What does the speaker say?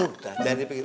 udah jangan dipikirin